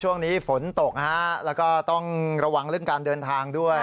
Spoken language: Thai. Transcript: ช่วงนี้ฝนตกนะฮะแล้วก็ต้องระวังเรื่องการเดินทางด้วย